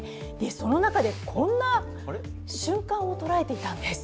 その中でこんな瞬間を捉えていたんです。